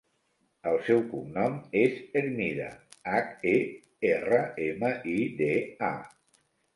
El seu cognom és Hermida: hac, e, erra, ema, i, de, a.